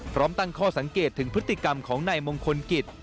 พร้อมตั้งข้อสังเกตถึงพฤติกรรมของนายมงคลกิจ